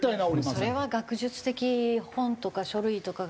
それは学術的本とか書類とかが。